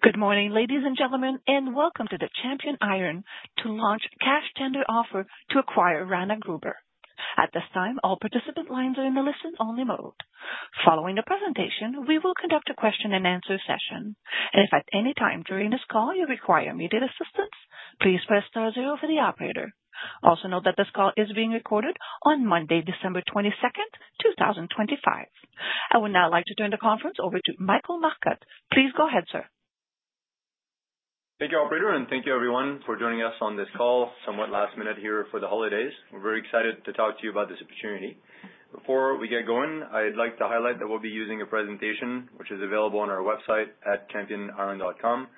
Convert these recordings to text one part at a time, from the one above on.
Good morning, ladies and gentlemen, welcome to the Champion Iron to launch cash tender offer to acquire Rana Gruber. At this time, all participant lines are in the listen-only mode. Following the presentation, we will conduct a question and answer session. If at any time during this call you require immediate assistance, please press star zero for the operator. Also, note that this call is being recorded on Monday, December 22nd, 2025. I would now like to turn the conference over to Michael Marcotte. Please go ahead, sir. Thank you, operator, and thank you everyone for joining us on this call, somewhat last minute here for the holidays. We're very excited to talk to you about this opportunity. Before we get going, I'd like to highlight that we'll be using a presentation which is available on our website at championiron.com.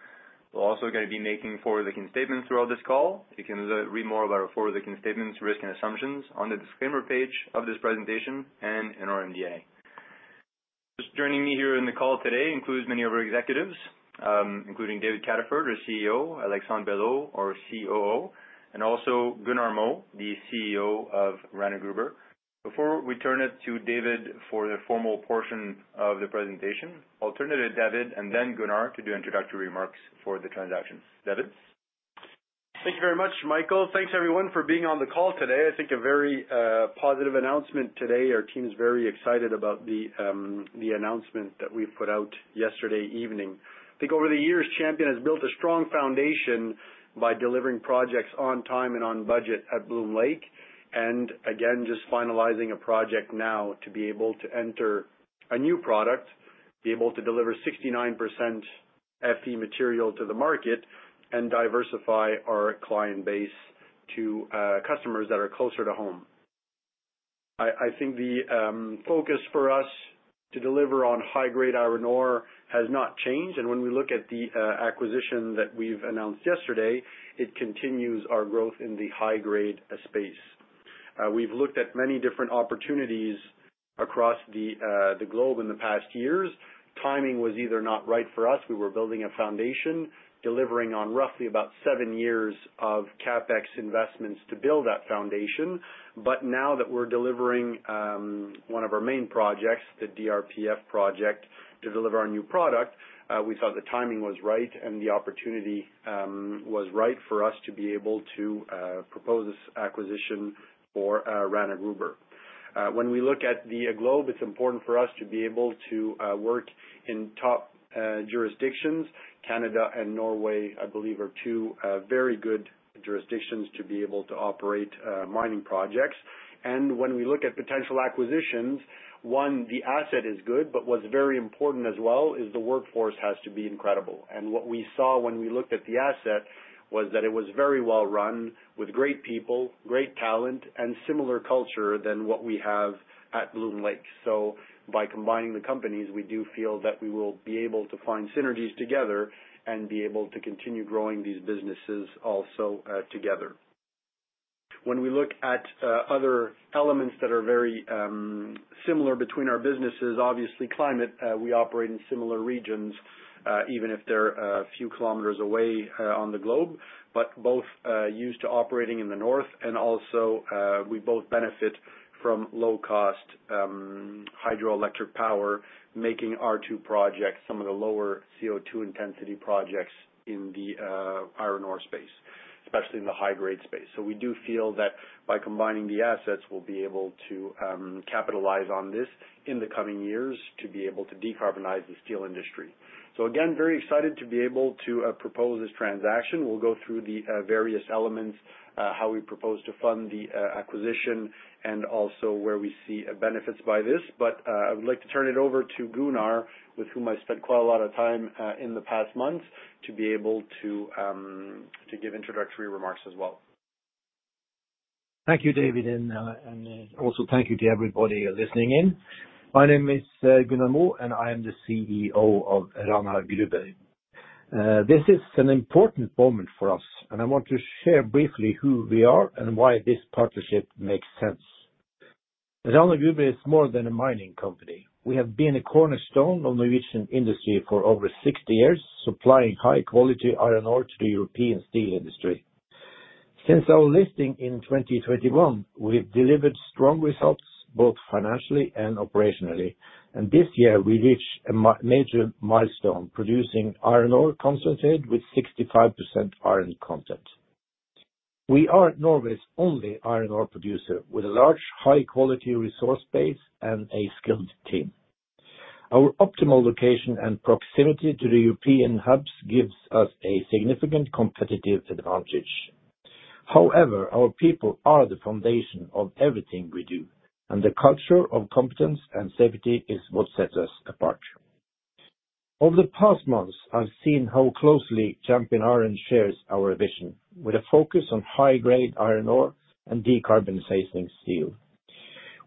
We're also gonna be making forward-looking statements throughout this call. You can read more about our forward-looking statements, risks, and assumptions on the disclaimer page of this presentation and in our MD&A. Just joining me here in the call today includes many of our executives, including David Cataford, our CEO, Alexandre Belleau, our COO, and also Gunnar Moe, the CEO of Rana Gruber. Before we turn it to David for the formal portion of the presentation, I'll turn it to David and then Gunnar to do introductory remarks for the transaction. David? Thank you very much, Michael. Thanks everyone for being on the call today. I think a very positive announcement today. Our team is very excited about the announcement that we put out yesterday evening. I think over the years, Champion has built a strong foundation by delivering projects on time and on budget at Bloom Lake, and again, just finalizing a project now to be able to enter a new product, be able to deliver 69% FE material to the market, and diversify our client base to customers that are closer to home. I, I think the focus for us to deliver on high-grade iron ore has not changed, and when we look at the acquisition that we've announced yesterday, it continues our growth in the high-grade space. We've looked at many different opportunities across the globe in the past years. Timing was either not right for us. We were building a foundation, delivering on roughly about seven years of CapEx investments to build that foundation. Now that we're delivering one of our main projects, the DRPF project, to deliver our new product, we thought the timing was right, and the opportunity was right for us to be able to propose this acquisition for Rana Gruber. When we look at the globe, it's important for us to be able to work in top jurisdictions. Canada and Norway, I believe, are two very good jurisdictions to be able to operate mining projects. When we look at potential acquisitions, one, the asset is good, but what's very important as well is the workforce has to be incredible. What we saw when we looked at the asset was that it was very well-run with great people, great talent, and similar culture than what we have at Bloom Lake. By combining the companies, we do feel that we will be able to find synergies together and be able to continue growing these businesses also, together. When we look at other elements that are very similar between our businesses, obviously, climate, we operate in similar regions, even if they're a few kilometers away on the globe, but both used to operating in the north and also, we both benefit from low-cost hydroelectric power, making our two projects some of the lower CO2 intensity projects in the iron ore space, especially in the high-grade space. We do feel that by combining the assets, we'll be able to capitalize on this in the coming years to be able to decarbonize the steel industry. Again, very excited to be able to propose this transaction. We'll go through the various elements, how we propose to fund the acquisition, and also where we see benefits by this. I would like to turn it over to Gunnar, with whom I spent quite a lot of time in the past months, to be able to give introductory remarks as well. Thank you, David, and also thank you to everybody listening in. My name is Gunnar Moe, and I am the CEO of Rana Gruber. This is an important moment for us, and I want to share briefly who we are and why this partnership makes sense. Rana Gruber is more than a mining company. We have been a cornerstone of Norwegian industry for over 60 years, supplying high-quality iron ore to the European steel industry. Since our listing in 2021, we've delivered strong results, both financially and operationally, this year we reached a major milestone, producing iron ore concentrate with 65% iron content. We are Norway's only iron ore producer, with a large, high-quality resource base and a skilled team. Our optimal location and proximity to the European hubs gives us a significant competitive advantage. However, our people are the foundation of everything we do, and the culture of competence and safety is what sets us apart. Over the past months, I've seen how closely Champion Iron shares our vision, with a focus on high-grade iron ore and decarbonization steel.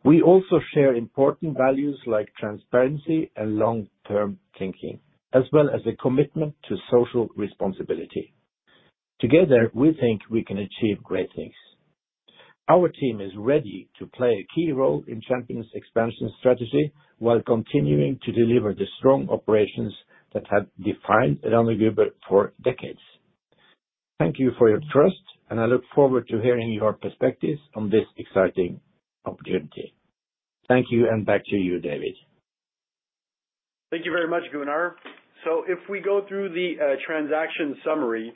We also share important values like transparency and long-term thinking, as well as a commitment to social responsibility. Together, we think we can achieve great things. Our team is ready to play a key role in Champion's expansion strategy while continuing to deliver the strong operations that have defined Rana Gruber for decades. Thank you for your trust, and I look forward to hearing your perspectives on this exciting opportunity. Thank you, and back to you, David. Thank you very much, Gunnar. If we go through the transaction summary,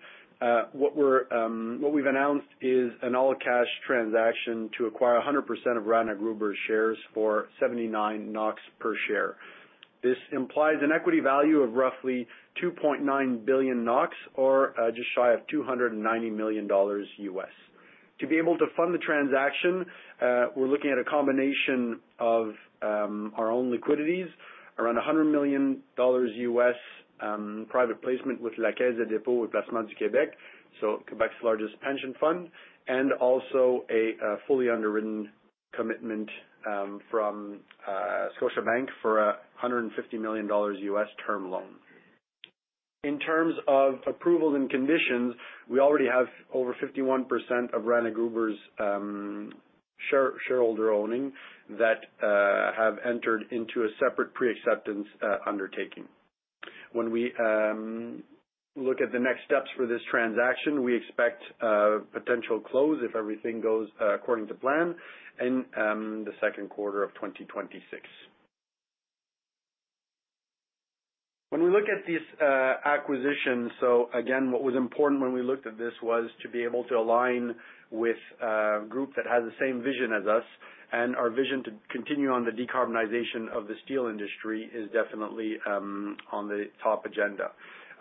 what we've announced is an all-cash transaction to acquire 100% of Rana Gruber's shares for 79 NOK per share. This implies an equity value of roughly 2.9 billion NOK, or just shy of $290 million. To be able to fund the transaction, we're looking at a combination of our own liquidities, around $100 million, private placement with La Caisse de dépôt et placement du Québec, so Quebec's largest pension fund, and also a fully underwritten commitment from Scotiabank for a $150 million term loan. In terms of approvals and conditions, we already have over 51% of Rana Gruber's shareholder owning that have entered into a separate pre-acceptance undertaking. When we look at the next steps for this transaction, we expect a potential close, if everything goes according to plan, in the second quarter of 2026. When we look at these acquisitions, again, what was important when we looked at this was to be able to align with a group that has the same vision as us, and our vision to continue on the decarbonization of the steel industry is definitely on the top agenda.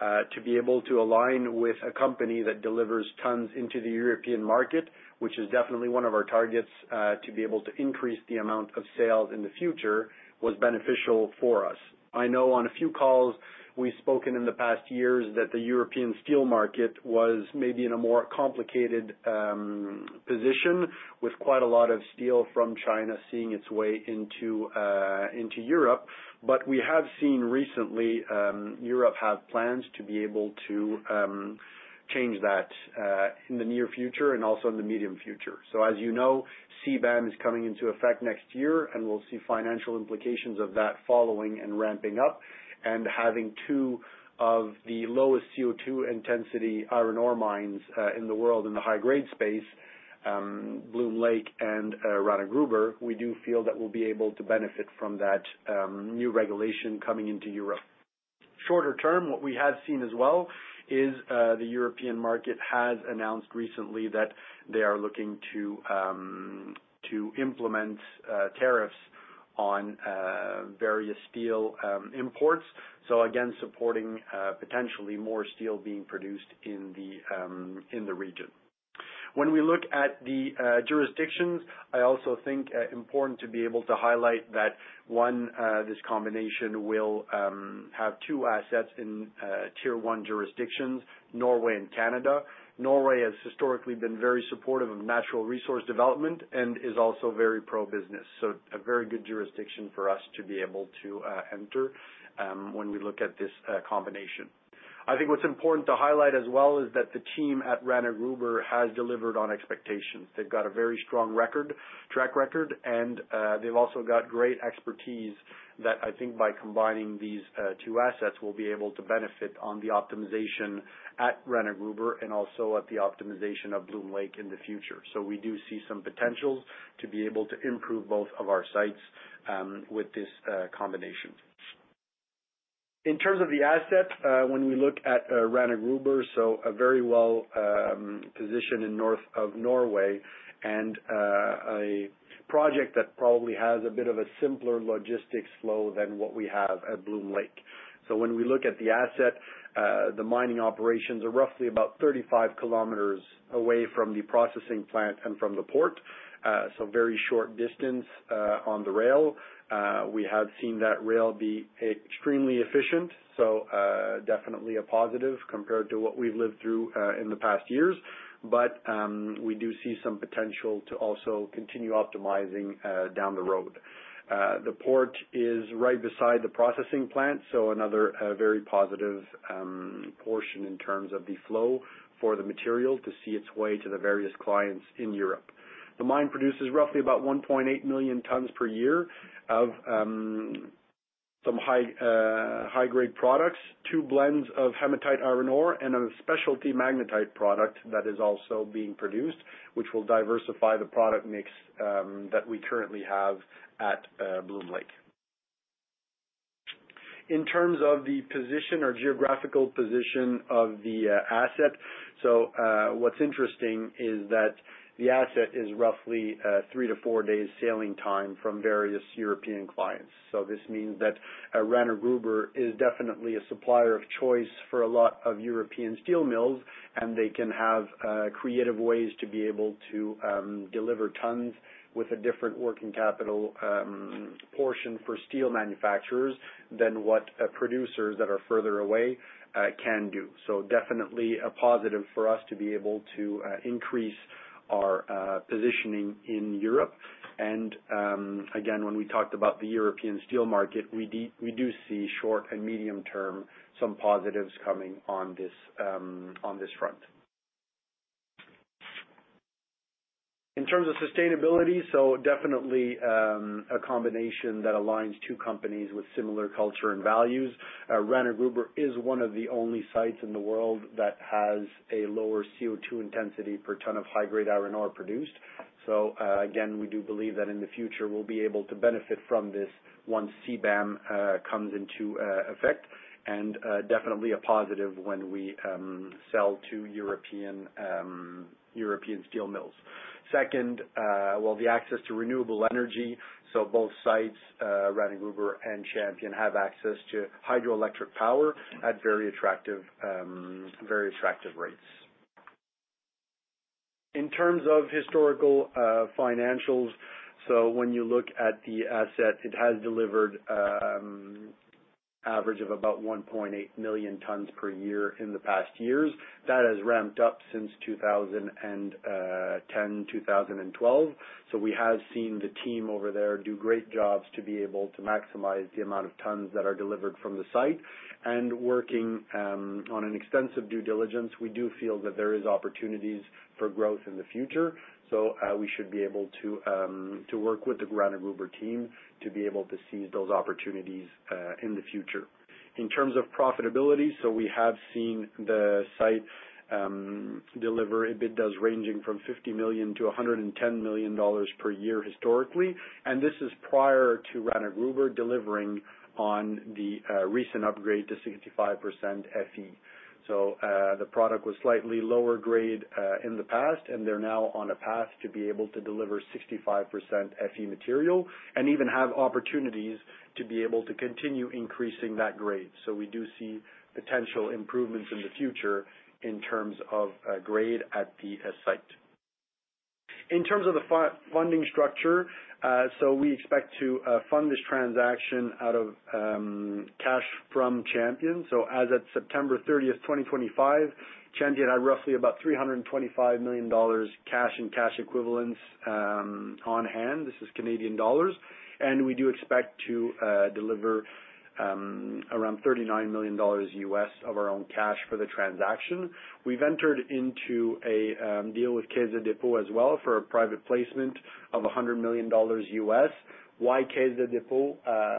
To be able to align with a company that delivers tons into the European market, which is definitely one of our targets, to be able to increase the amount of sales in the future, was beneficial for us. I know on a few calls we've spoken in the past years, that the European steel market was maybe in a more complicated position, with quite a lot of steel from China seeing its way into Europe. We have seen recently, Europe have plans to be able to change that in the near future and also in the medium future. As you know, CBAM is coming into effect next year, and we'll see financial implications of that following and ramping up. Having two of the lowest CO2 intensity iron ore mines in the world in the high-grade space, Bloom Lake and Rana Gruber, we do feel that we'll be able to benefit from that new regulation coming into Europe. Shorter term, what we have seen as well is the European market has announced recently that they are looking to to implement tariffs on various steel imports. Again, supporting potentially more steel being produced in the region. When we look at the jurisdictions, I also think important to be able to highlight that, one, this combination will have two assets in tier one jurisdictions, Norway and Canada. Norway has historically been very supportive of natural resource development and is also very pro-business, so a very good jurisdiction for us to be able to enter when we look at this combination. I think what's important to highlight as well is that the team at Rana Gruber has delivered on expectations. They've got a very strong record, track record, and they've also got great expertise that I think by combining these two assets, will be able to benefit on the optimization at Rana Gruber and also at the optimization of Bloom Lake in the future. We do see some potential to be able to improve both of our sites with this combination. In terms of the assets, when we look at Rana Gruber, a very well positioned in north of Norway and a project that probably has a bit of a simpler logistics flow than what we have at Bloom Lake. When we look at the asset, the mining operations are roughly about 35 km away from the processing plant and from the port, very short distance on the rail. We have seen that rail be extremely efficient, so definitely a positive compared to what we've lived through in the past years. We do see some potential to also continue optimizing down the road. The port is right beside the processing plant, so another very positive portion in terms of the flow for the material to see its way to the various clients in Europe. The mine produces roughly about 1.8 million tons per year of some high, high-grade products, two blends of hematite iron ore, and a specialty magnetite product that is also being produced, which will diversify the product mix that we currently have at Bloom Lake. In terms of the position or geographical position of the asset, so what's interesting is that the asset is roughly three to four days sailing time from various European clients. This means that Rana Gruber is definitely a supplier of choice for a lot of European steel mills, and they can have creative ways to be able to deliver tons with a different working capital portion for steel manufacturers than what producers that are further away can do. Definitely a positive for us to be able to increase our positioning in Europe. Again, when we talked about the European steel market, we do see short and medium term, some positives coming on this front. In terms of sustainability, definitely a combination that aligns two companies with similar culture and values. Rana Gruber is one of the only sites in the world that has a lower CO2 intensity per ton of high-grade iron ore produced. Again, we do believe that in the future, we'll be able to benefit from this once CBAM comes into effect, and definitely a positive when we sell to European steel mills. Second, well, the access to renewable energy, both sites, Rana Gruber and Champion, have access to hydroelectric power at very attractive rates. In terms of historical financials, when you look at the asset, it has delivered average of about 1.8 million tons per year in the past years. That has ramped up since 2010, 2012. We have seen the team over there do great jobs to be able to maximize the amount of tons that are delivered from the site. Working on an extensive due diligence, we do feel that there is opportunities for growth in the future, so we should be able to work with the Rana Gruber team to be able to seize those opportunities in the future. In terms of profitability, we have seen the site deliver EBITDAs ranging from $50 million to $110 million per year historically, and this is prior to Rana Gruber delivering on the recent upgrade to 65% FE. The product was slightly lower grade in the past, and they're now on a path to be able to deliver 65% FE material, and even have opportunities to be able to continue increasing that grade. We do see potential improvements in the future in terms of grade at the site. In terms of the funding structure, we expect to fund this transaction out of cash from Champion. As of September 30th, 2025, Champion Iron had roughly about 325 million dollars cash and cash equivalents on hand. This is Canadian dollars. We do expect to deliver around $39 million of our own cash for the transaction. We've entered into a deal with Caisse de dépôt as well, for a private placement of $100 million. Why Caisse de dépôt?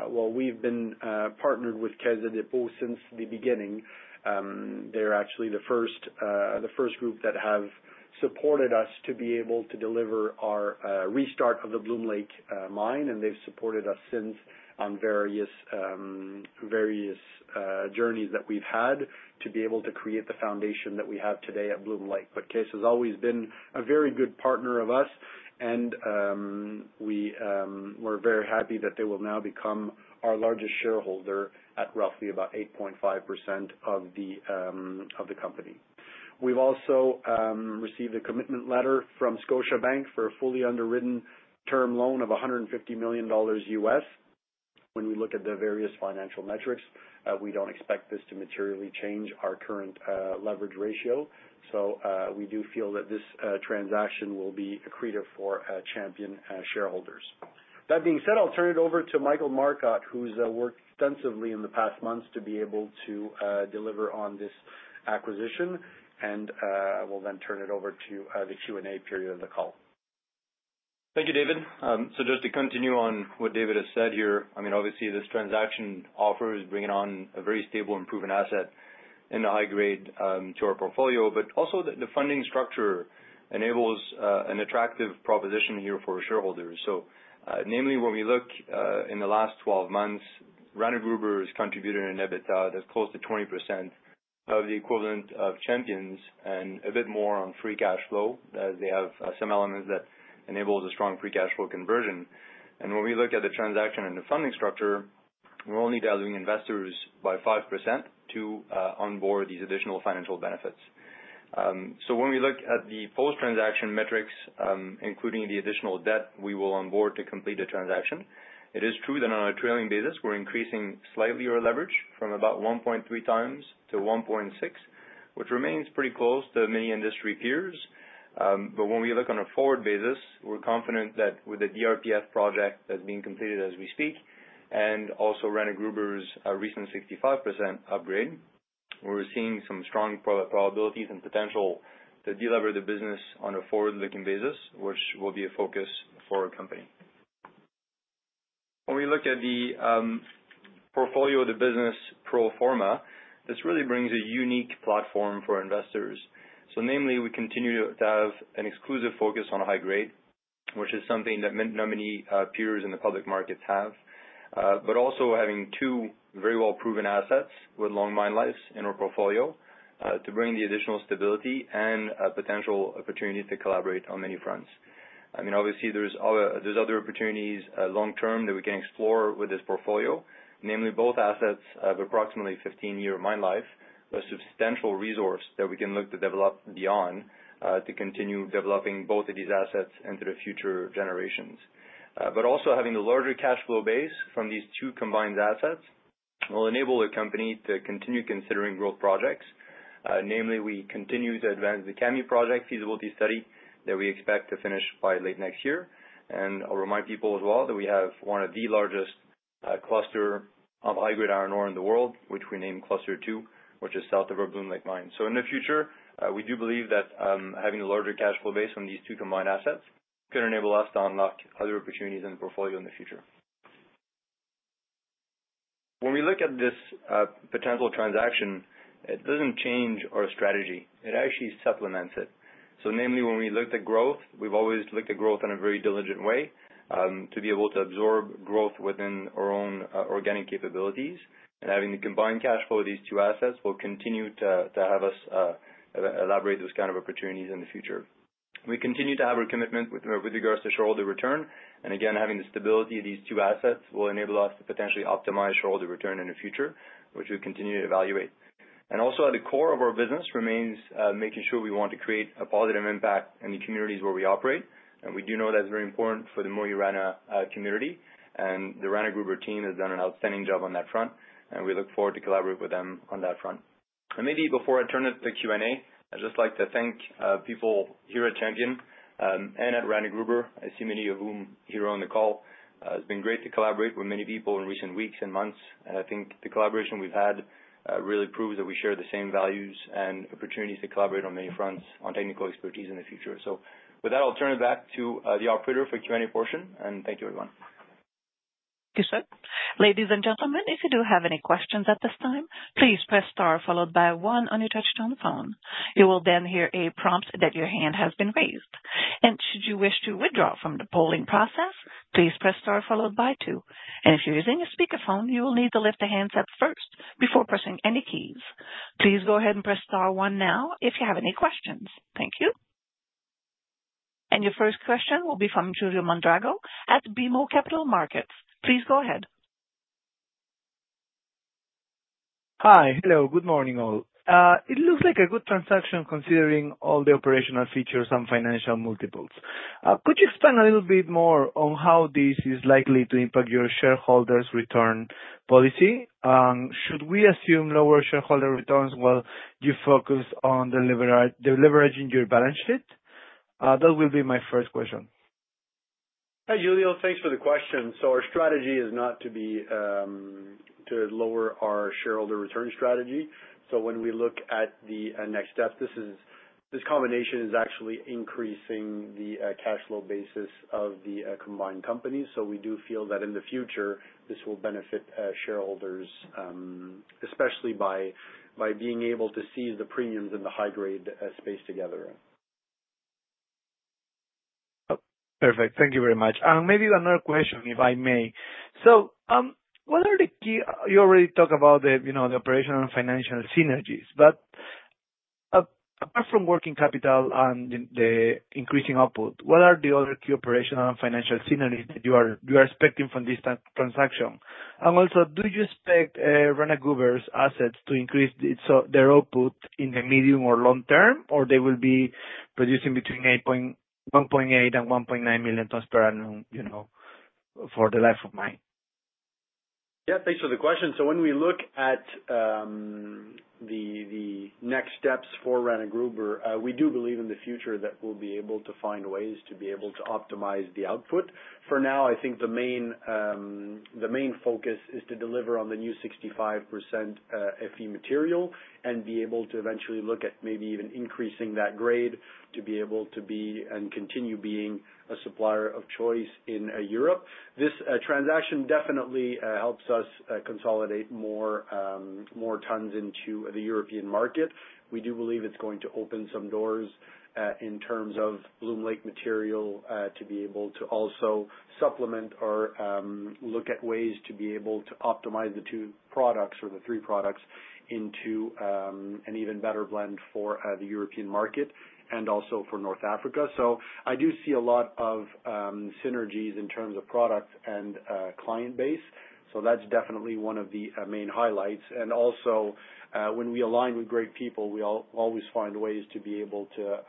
Well, we've been partnered with Caisse de dépôt since the beginning. They're actually the first, the first group that have supported us to be able to deliver our restart of the Bloom Lake mine, and they've supported us since on various, various journeys that we've had, to be able to create the foundation that we have today at Bloom Lake. Caisse has always been a very good partner of us, and we're very happy that they will now become our largest shareholder at roughly about 8.5% of the company. We've also received a commitment letter from Scotiabank for a fully underwritten term loan of $150 million. When we look at the various financial metrics, we don't expect this to materially change our current leverage ratio. We do feel that this transaction will be accretive for Champion shareholders. That being said, I'll turn it over to Michael Marcotte, who's worked extensively in the past months to be able to deliver on this acquisition. I will then turn it over to the Q&A period of the call. Thank you, David. Just to continue on what David has said here, I mean, obviously, this transaction offer is bringing on a very stable and proven asset in the high grade to our portfolio. Also the funding structure enables an attractive proposition here for our shareholders. Namely, when we look in the last 12 months, Rana Gruber has contributed an EBITDA that's close to 20% of the equivalent of Champion's and a bit more on free cash flow, as they have some elements that enables a strong free cash flow conversion. When we look at the transaction and the funding structure, we're only diluting investors by 5% to onboard these additional financial benefits. When we look at the post-transaction metrics, including the additional debt we will onboard to complete the transaction, it is true that on a trailing basis, we're increasing slightly our leverage from about 1.3x to 1.6x, which remains pretty close to many industry peers. When we look on a forward basis, we're confident that with the DRPF project that's being completed as we speak, and also Rana Gruber's recent 65% upgrade, we're seeing some strong probabilities and potential to delever the business on a forward-looking basis, which will be a focus for our company. When we look at the portfolio of the business pro forma, this really brings a unique platform for investors. Namely, we continue to have an exclusive focus on a high-grade, which is something that ma- not many peers in the public markets have. Also having two very well-proven assets with long mine lives in our portfolio, to bring the additional stability and potential opportunities to collaborate on many fronts. I mean, obviously, there's other, there's other opportunities, long term that we can explore with this portfolio. Namely, both assets have approximately 15-year mine life, a substantial resource that we can look to develop beyond, to continue developing both of these assets into the future generations. Also having a larger cash flow base from these two combined assets will enable the company to continue considering growth projects. Namely, we continue to advance the Kami Project feasibility study that we expect to finish by late next year. I'll remind people as well, that we have one of the largest-... A cluster of high-grade iron ore in the world, which we named Cluster II, which is south of our Bloom Lake mine. In the future, we do believe that having a larger cash flow base on these two combined assets, could enable us to unlock other opportunities in the portfolio in the future. When we look at this potential transaction, it doesn't change our strategy, it actually supplements it. Namely, when we looked at growth, we've always looked at growth in a very diligent way, to be able to absorb growth within our own organic capabilities. Having the combined cash flow of these two assets will continue to, to have us elaborate those kind of opportunities in the future. We continue to have our commitment with, with regards to shareholder return, and again, having the stability of these two assets will enable us to potentially optimize shareholder return in the future, which we'll continue to evaluate. At the core of our business remains making sure we want to create a positive impact in the communities where we operate. We do know that's very important for the Mo i Rana community. The Rana Gruber team has done an outstanding job on that front, and we look forward to collaborate with them on that front. Before I turn it to Q&A, I'd just like to thank people here at Champion, and at Rana Gruber, I see many of whom here on the call. It's been great to collaborate with many people in recent weeks and months, and I think the collaboration we've had, really proves that we share the same values and opportunities to collaborate on many fronts on technical expertise in the future. With that, I'll turn it back to the operator for Q&A portion, and thank you everyone. Thank you, sir. Ladies and gentlemen, if you do have any questions at this time, please press star followed by one on your touch-tone phone. Should you wish to withdraw from the polling process, please press star followed by two. If you're using a speakerphone, you will need to lift the handset up first before pressing any keys. Please go ahead and press star one now if you have any questions. Thank you. Your first question will be from Julio Mondragon at BMO Capital Markets. Please go ahead. Hi. Hello, good morning, all. It looks like a good transaction, considering all the operational features and financial multiples. Could you expand a little bit more on how this is likely to impact your shareholders' return policy? Should we assume lower shareholder returns while you focus on deleveraging your balance sheet? That will be my first question. Hi, Julio, thanks for the question. Our strategy is not to be to lower our shareholder return strategy. When we look at the next step, this combination is actually increasing the cash flow basis of the combined companies. We do feel that in the future, this will benefit shareholders, especially by being able to see the premiums in the high grade space together. Perfect. Thank you very much. Maybe another question, if I may. What are the key... You already talked about the, you know, the operational and financial synergies, but, apart from working capital and the, the increasing output, what are the other key operational and financial synergies that you are, you are expecting from this transaction? Also, do you expect Rana Gruber's assets to increase its, so their output in the medium or long term, or they will be producing between 1.8 million and 1.9 million tons per annum, you know, for the life of mine? Yeah, thanks for the question. When we look at the next steps for Rana Gruber, we do believe in the future that we'll be able to find ways to be able to optimize the output. For now, I think the main the main focus is to deliver on the new 65% FE material, and be able to eventually look at maybe even increasing that grade, to be able to be and continue being a supplier of choice in Europe. This transaction definitely helps us consolidate more more tons into the European market. We do believe it's going to open some doors, in terms of Bloom Lake material, to be able to also supplement or look at ways to be able to optimize the two products or the three products into an even better blend for the European market and also for North Africa. I do see a lot of synergies in terms of products and client base. That's definitely one of the main highlights. Also, when we align with great people, we always find ways to be able to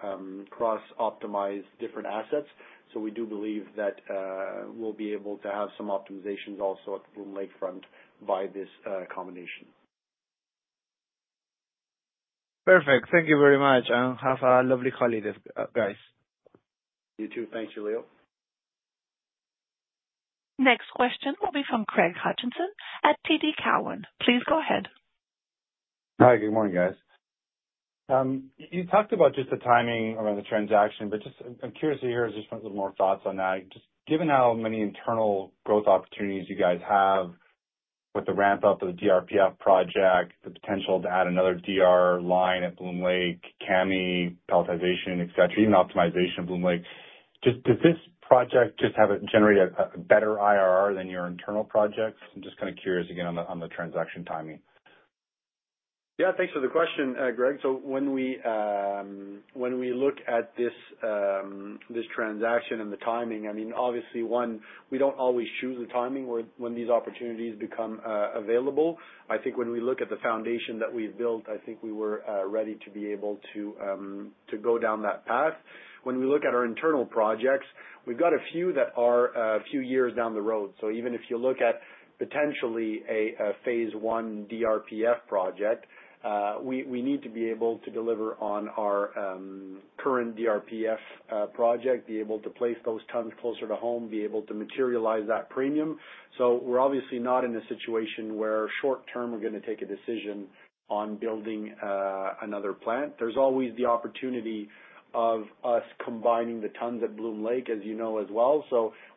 cross-optimize different assets. We do believe that we'll be able to have some optimizations also at the Bloom Lakefront by this combination. Perfect. Thank you very much. Have a lovely holiday, guys. You too. Thanks, Julio. Next question will be from Craig Hutchison at TD Cowen. Please go ahead. Hi, good morning, guys. You talked about just the timing around the transaction, but I'm curious to hear just a little more thoughts on that. Given how many internal growth opportunities you guys have with the ramp-up of the DRPF project, the potential to add another DR line at Bloom Lake, Kami, pelletization, et cetera, even optimization of Bloom Lake, does this project generate a better IRR than your internal projects? I'm just kind of curious again on the transaction timing. Yeah, thanks for the question, Craig. So when we, when we look at this, this transaction and the timing, I mean, obviously, one, we don't always choose the timing where-- when these opportunities become available. I think when we look at the foundation that we've built, I think we were ready to be able to, to go down that path. When we look at our internal projects, we've got a few that are a few years down the road. So even if you look at potentially a, a phase one DRPF project, we, we need to be able to deliver on our, current DRPF project, be able to place those tons closer to home, be able to materialize that premium. We're obviously not in a situation where short term, we're gonna take a decision on building another plant. There's always the opportunity of us combining the tons at Bloom Lake, as you know as well.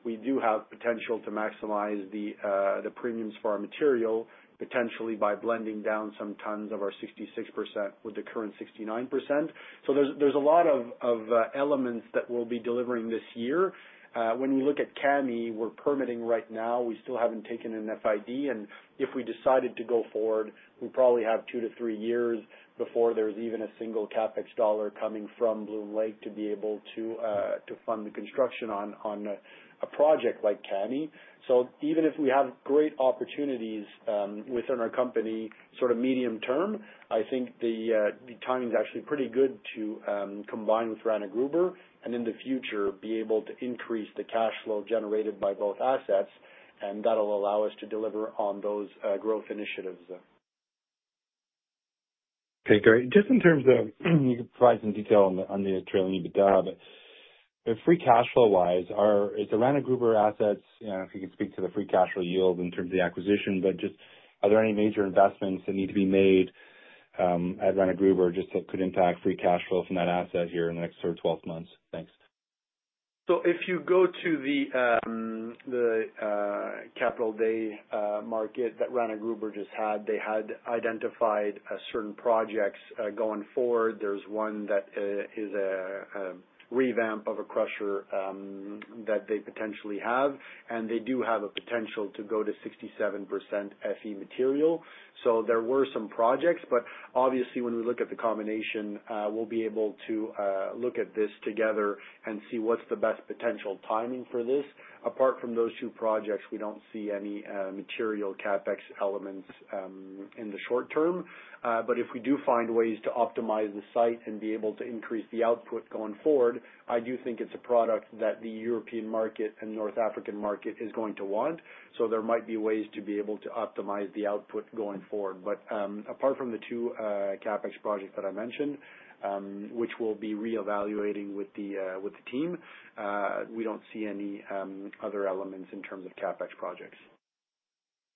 We do have potential to maximize the premiums for our material, potentially by blending down some tons of our 66% with the current 69%. There's a lot of elements that we'll be delivering this year. When we look at Kami, we're permitting right now, we still haven't taken an FID, and if we decided to go forward, we probably have two to three years before there's even a single CapEx dollar coming from Bloom Lake to be able to fund the construction on a project like Kami. Even if we have great opportunities, within our company, sort of medium term, I think the timing is actually pretty good to combine with Rana Gruber, and in the future, be able to increase the cash flow generated by both assets, and that'll allow us to deliver on those growth initiatives. Okay, great. Just in terms of, you could provide some detail on the, on the trailing EBITDA, but free cash flow wise, is Rana Gruber assets, if you could speak to the free cash flow yield in terms of the acquisition, but just are there any major investments that need to be made at Rana Gruber, just that could impact free cash flow from that asset here in the next sort of 12 months? Thanks. If you go to the Capital Day market that Rana Gruber just had, they had identified certain projects going forward. There's one that is a revamp of a crusher that they potentially have, and they do have a potential to go to 67% FE material. There were some projects, but obviously, when we look at the combination, we'll be able to look at this together and see what's the best potential timing for this. Apart from those two projects, we don't see any material CapEx elements in the short term. If we do find ways to optimize the site and be able to increase the output going forward, I do think it's a product that the European market and North African market is going to want. There might be ways to be able to optimize the output going forward. Apart from the two CapEx projects that I mentioned, which we'll be reevaluating with the team, we don't see any other elements in terms of CapEx projects.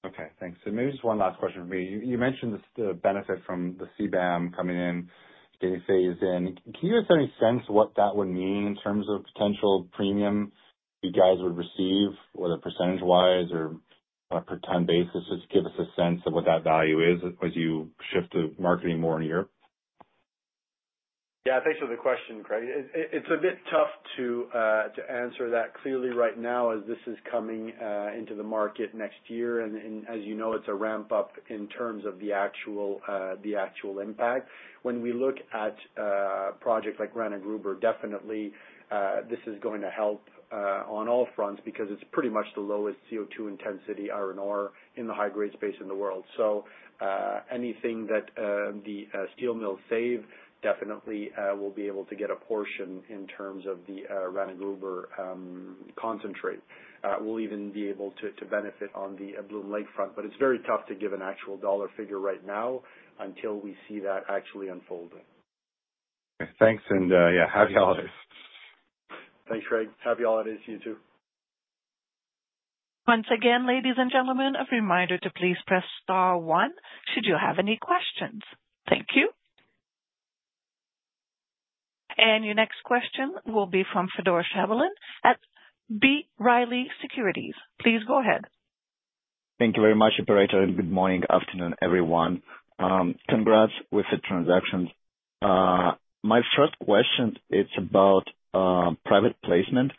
Okay, thanks. Maybe just one last question for you. You mentioned the benefit from the CBAM coming in, getting phased in. Can you give us any sense of what that would mean in terms of potential premium you guys would receive, whether percentage wise or on a per ton basis? Just give us a sense of what that value is as you shift to marketing more in Europe. Yeah, thanks for the question, Craig. It's a bit tough to answer that clearly right now, as this is coming into the market next year. As you know, it's a ramp up in terms of the actual, the actual impact. When we look at projects like Rana Gruber, definitely, this is going to help on all fronts because it's pretty much the lowest CO2 intensity iron ore in the high-grade space in the world. Anything that the steel mill save, definitely, will be able to get a portion in terms of the Rana Gruber concentrate. We'll even be able to benefit on the Bloom Lakefront, but it's very tough to give an actual dollar figure right now until we see that actually unfolding. Thanks, and yeah, happy holidays! Thanks, Craig. Happy holidays to you, too. Once again, ladies and gentlemen, a reminder to please press star 1 should you have any questions. Thank you. Your next question will be from Fedor Shabalin at B. Riley Securities. Please go ahead. Thank you very much, operator, and good morning, afternoon, everyone. congrats with the transactions. My first question, it's about private placement.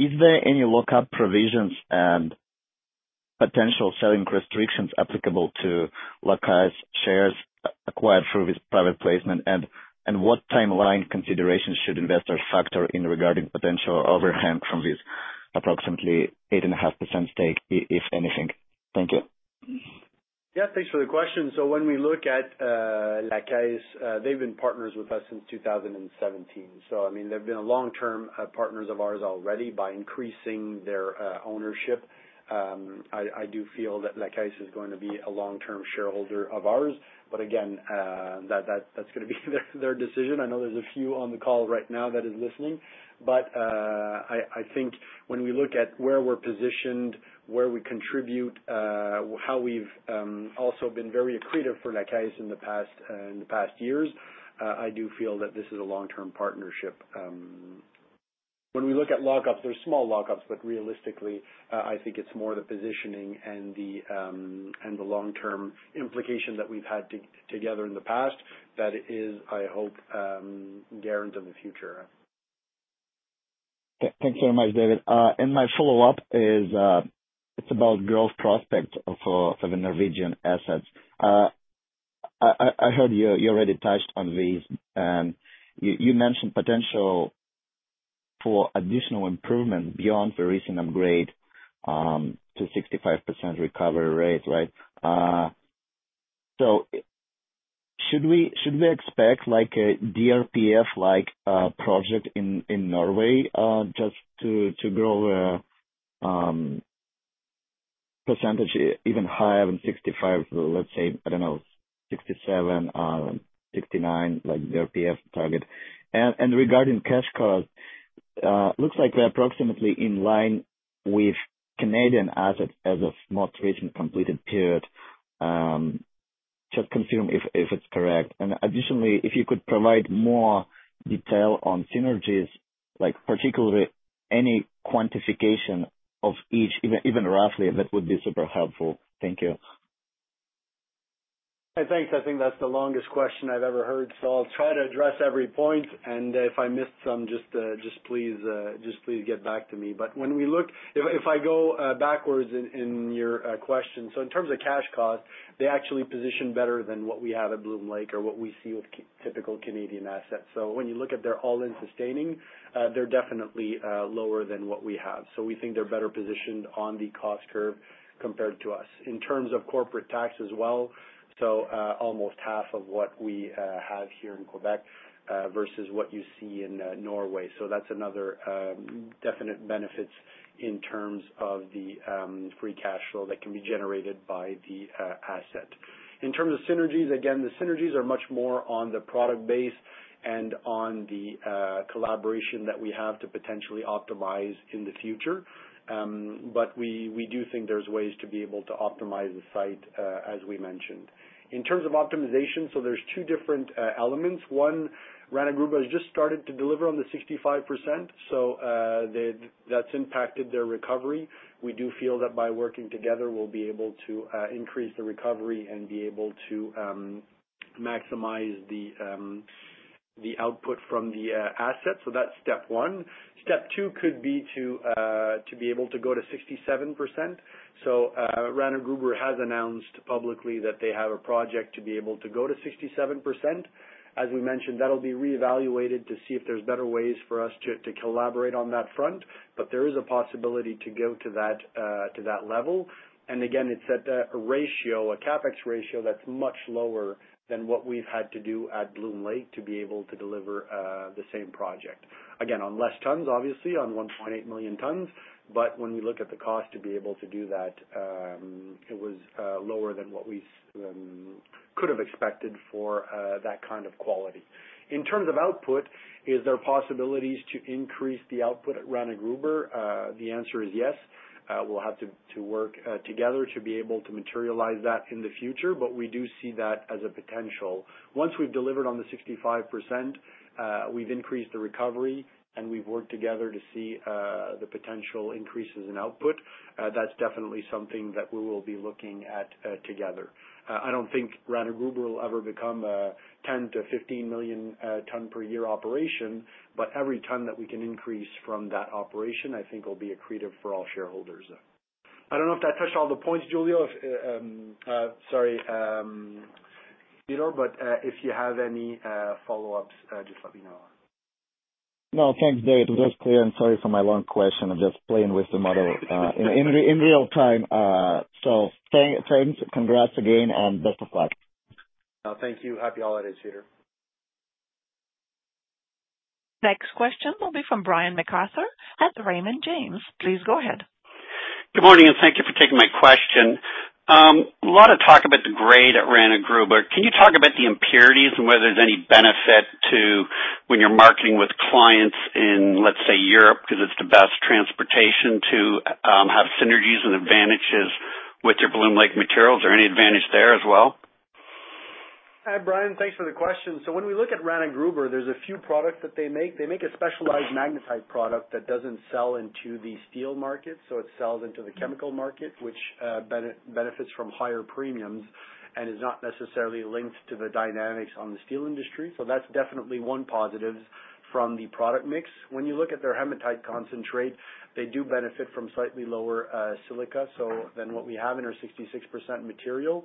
Is there any lockup provisions and potential selling restrictions applicable to La Caisse's shares acquired through this private placement? What timeline considerations should investors factor in regarding potential overhang from this approximately 8.5% stake, if anything? Thank you. Yeah, thanks for the question. When we look at La Caisse, they've been partners with us since 2017, so I mean, they've been a long-term partners of ours already. By increasing their ownership, I, I do feel that La Caisse is going to be a long-term shareholder of ours. Again, that, that, that's gonna be their, their decision. I know there's a few on the call right now that is listening, but I, I think when we look at where we're positioned, where we contribute, how we've also been very accretive for La Caisse in the past, in the past years, I do feel that this is a long-term partnership. When we look at lockups, there's small lockups, but realistically, I think it's more the positioning and the, and the long-term implication that we've had together in the past that is, I hope, guarantee of the future. Thanks very much, David. My follow-up is, it's about growth prospect of, for the Norwegian assets. I heard you already touched on these, and you mentioned potential for additional improvement beyond the recent upgrade to 65% recovery rate, right? Should we expect like a DRPF-like project in Norway just to grow percentage even higher than 65%, let's say, I don't know, 67%, 69%, like the RPF target? Regarding cash costs, looks like they're approximately in line with Canadian assets as of most recent completed period. Just confirm if it's correct. Additionally, if you could provide more detail on synergies, like particularly any quantification of each, even roughly, that would be super helpful. Thank you. Hey, thanks. I think that's the longest question I've ever heard. I'll try to address every point, and if I miss some, just please get back to me. When we look... If I go backwards in your question, in terms of cash costs, they actually position better than what we have at Bloom Lake or what we see with typical Canadian assets. When you look at their all-in sustaining, they're definitely lower than what we have. We think they're better positioned on the cost curve compared to us. In terms of corporate tax as well, almost half of what we have here in Quebec versus what you see in Norway. That's another definite benefits in terms of the free cash flow that can be generated by the asset. In terms of synergies, again, the synergies are much more on the product base and on the collaboration that we have to potentially optimize in the future. We, we do think there's ways to be able to optimize the site as we mentioned. In terms of optimization, there's two different elements. One, Rana Gruber has just started to deliver on the 65%, that's impacted their recovery. We do feel that by working together, we'll be able to increase the recovery and be able to maximize the output from the assets. That's step one. Step two could be to be able to go to 67%. Rana Gruber has announced publicly that they have a project to be able to go to 67%. As we mentioned, that'll be reevaluated to see if there's better ways for us to, to collaborate on that front, but there is a possibility to go to that, to that level. Again, it's at a ratio, a CapEx ratio that's much lower than what we've had to do at Bloom Lake to be able to deliver the same project. Again, on less tons, obviously, on 1.8 million tons. When we look at the cost to be able to do that, it was lower than what we could have expected for that kind of quality. In terms of output, is there possibilities to increase the output at Rana Gruber? The answer is yes. We'll have to work together to be able to materialize that in the future, but we do see that as a potential. Once we've delivered on the 65%, we've increased the recovery, and we've worked together to see the potential increases in output, that's definitely something that we will be looking at together. I don't think Rana Gruber will ever become a 10 million-15 million ton per year operation, but every ton that we can increase from that operation, I think will be accretive for all shareholders. I don't know if that touched all the points, Julio, sorry, Fedor, but if you have any follow-ups, just let me know. No, thanks, Dave. It was clear, and sorry for my long question. I'm just playing with the model, in, in, in real time. Thanks, congrats again, and best of luck. Thank you. Happy holidays, Fedor. Next question will be from Brian MacArthur at Raymond James. Please go ahead. Good morning, thank you for taking my question. A lot of talk about the grade at Rana Gruber. Can you talk about the impurities and whether there's any benefit to when you're marketing with clients in, let's say, Europe, because it's the best transportation to have synergies and advantages with your Bloom Lake materials? Any advantage there as well? Hi, Brian, thanks for the question. When we look at Rana Gruber, there's a few products that they make. They make a specialized magnetite product that doesn't sell into the steel market, so it sells into the chemical market, which benefits from higher premiums and is not necessarily linked to the dynamics on the steel industry. That's definitely one positive from the product mix. When you look at their hematite concentrate, they do benefit from slightly lower silica than what we have in our 66% material.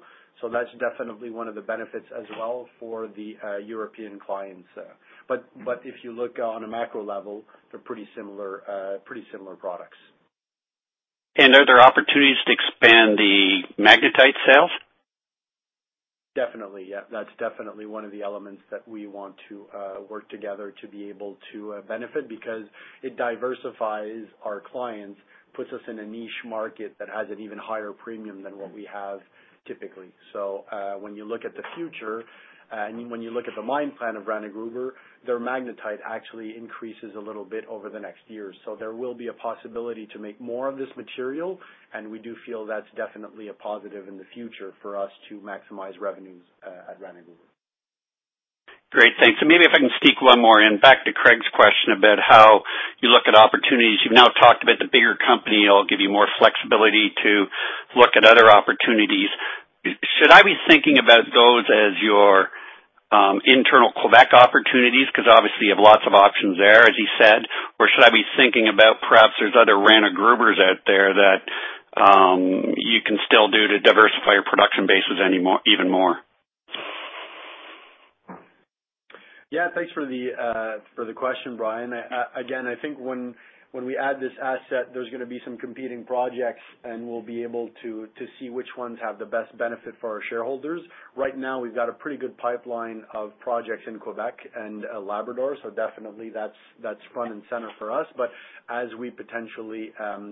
That's definitely one of the benefits as well for the European clients. If you look on a macro level, they're pretty similar, pretty similar products. Are there opportunities to expand the magnetite sales? Definitely, yeah. That's definitely one of the elements that we want to work together to be able to benefit because it diversifies our clients, puts us in a niche market that has an even higher premium than what we have typically. So, when you look at the future, and when you look at the mine plan of Rana Gruber, their magnetite actually increases a little bit over the next years. So there will be a possibility to make more of this material, and we do feel that's definitely a positive in the future for us to maximize revenues at Rana Gruber. Great, thanks. Maybe if I can sneak one more in, back to Craig's question about how you look at opportunities. You've now talked about the bigger company, it'll give you more flexibility to look at other opportunities. Should I be thinking about those as your internal Quebec opportunities, 'cause obviously you have lots of options there, as you said? Or should I be thinking about perhaps there's other Rana Grubers out there that you can still do to diversify your production bases anymore, even more? Yeah, thanks for the question, Brian. Again, I think when, when we add this asset, there's going to be some competing projects, and we'll be able to, to see which ones have the best benefit for our shareholders. Right now, we've got a pretty good pipeline of projects in Quebec and Labrador, so definitely that's, that's front and center for us. But as we potentially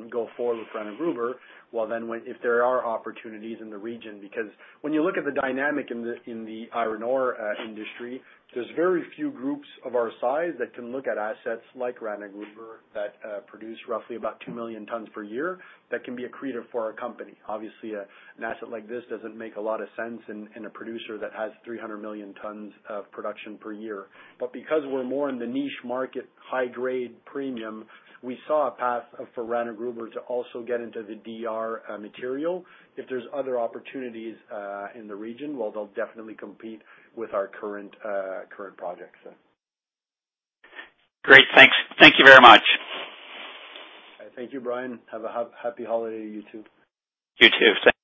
go forward with Rana Gruber, well, then, if there are opportunities in the region, because when you look at the dynamic in the, in the iron ore industry, there's very few groups of our size that can look at assets like Rana Gruber, that produce roughly about 2 million tons per year. That can be accretive for our company. Obviously, an asset like this doesn't make a lot of sense in a producer that has 300 million tons of production per year. Because we're more in the niche market, high grade premium, we saw a path for Rana Gruber to also get into the DR material. If there's other opportunities in the region, well, they'll definitely compete with our current current projects, so. Great. Thanks. Thank you very much. Thank you, Brian. Have a happy holiday to you, too. You, too. Thanks.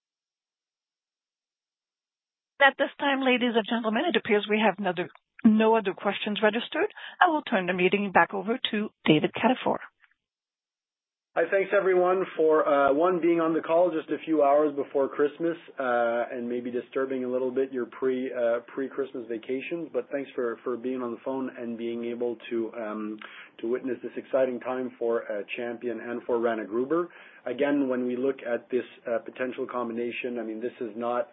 At this time, ladies and gentlemen, it appears we have no other questions registered. I will turn the meeting back over to David Cataford. Hi, thanks, everyone, for, one, being on the call just a few hours before Christmas, and maybe disturbing a little bit your pre, pre-Christmas vacation. Thanks for, for being on the phone and being able to, to witness this exciting time for Champion and for Rana Gruber. When we look at this potential combination, I mean, this is not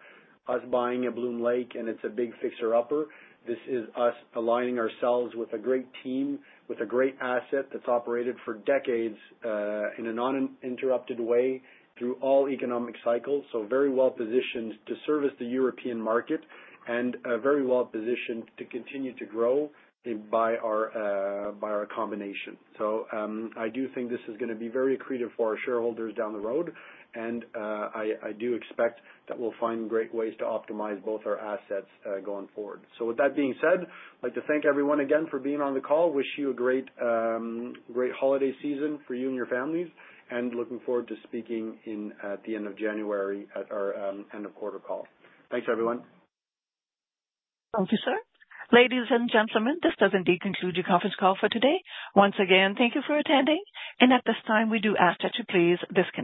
us buying a Bloom Lake, and it's a big fixer upper. This is us aligning ourselves with a great team, with a great asset that's operated for decades, in an uninterrupted way through all economic cycles. Very well positioned to service the European market and very well positioned to continue to grow by our, by our combination. I do think this is going to be very accretive for our shareholders down the road, and I, I do expect that we'll find great ways to optimize both our assets going forward. With that being said, I'd like to thank everyone again for being on the call. Wish you a great great holiday season for you and your families, and looking forward to speaking at the end of January at our end of quarter call. Thanks, everyone. Thank you, sir. Ladies and gentlemen, this does indeed conclude your conference call for today. Once again, thank you for attending, and at this time, we do ask that you please disconnect.